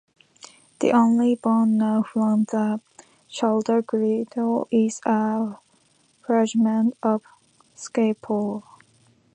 The only bone known from the shoulder girdle is a fragment of scapula.